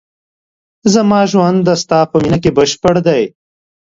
زما ژوند د ستا په مینه کې بشپړ دی.